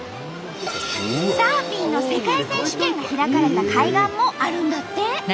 サーフィンの世界選手権が開かれた海岸もあるんだって。